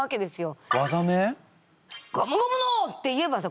「ゴムゴムの」って言えばさ